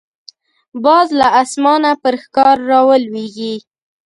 باز له اسمانه پر ښکار راولويږي